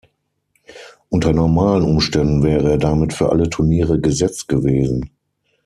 Unter normalen Umständen wäre er damit für alle Turniere gesetzt gewesen.